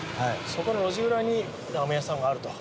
そこの路地裏にラーメン屋さんがあると。